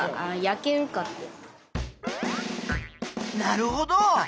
なるほど！